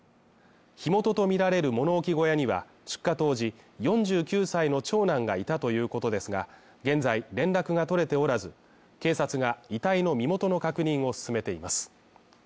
火元とみられる物置小屋には、出火当時４９歳の長男がいたということですが、現在、連絡が取れておらず、警察が遺体の身元の確認を進めています。